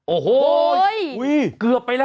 โอ้โหโอ้โห